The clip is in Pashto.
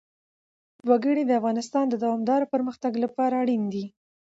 وګړي د افغانستان د دوامداره پرمختګ لپاره اړین دي.